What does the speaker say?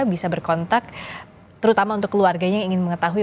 bisa berkontak terutama untuk keluarganya yang ingin mengetahui